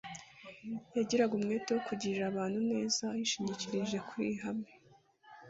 yagiraga umwete wo kugirira abantu neza. Yishingikirizaga kw'iri hame